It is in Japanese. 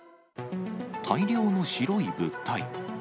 大量の白い物体。